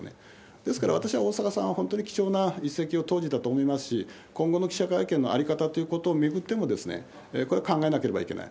ですから私は大坂さんは本当に貴重な一石を投じたと思いますし、今後の記者会見の在り方ということを巡っても、これは考えなければいけない。